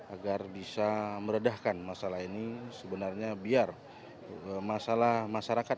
agar bisa meredahkan masalah ini sebenarnya biar masalah masyarakat